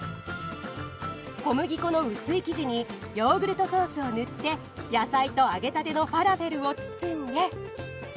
小麦粉の薄い生地にヨーグルトソースを塗って野菜と揚げたてのファラフェルを包んで。